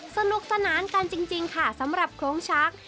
สนุกสนานกันจริงค่ะสำหรับโครงช้าง